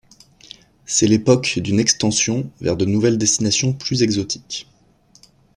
C'est l'époque d'une extension vers de nouvelles destinations plus exotiques.